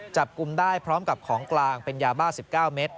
จับกลุ่มได้พร้อมกับของกลางเป็นยาบ้า๑๙เมตร